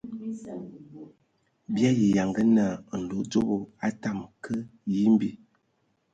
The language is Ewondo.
Bii ayi yanga naa nlodzobo a tamǝ ka yimbi.